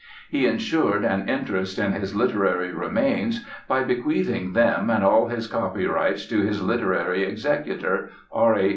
He insured an interest in his literary remains by bequeathing them and all his copyrights to his literary executor, R. A.